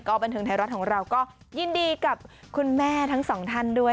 บันเทิงไทยรัฐของเราก็ยินดีกับคุณแม่ทั้งสองท่านด้วย